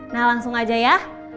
nah langsung aja ya